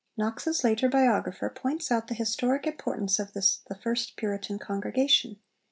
Knox's later biographer points out the historic importance of this 'the first Puritan congregation.'